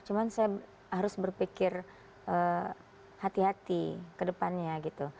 cuma saya harus berpikir hati hati ke depannya gitu